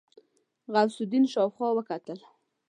غوث الدين شاوخوا وکتل.